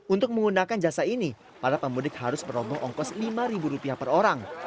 untuk menggunakan jasa ini para pemudik harus berobong ongkos lima rupiah per orang